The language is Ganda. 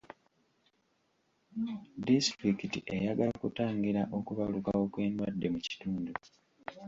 Disitulikiti eyagala kutangira okubalukawo kw'endwadde mu kitundu.